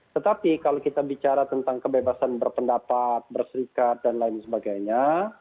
tetapi kalau kita bicara tentang kebebasan berpendapat berserikat dan lain sebagainya